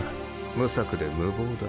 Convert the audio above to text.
無策で無謀だ。